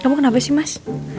kamu kenapa sih mas